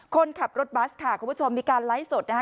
คนขับรถบัสค่ะคุณผู้ชมมีการไลฟ์สดนะคะ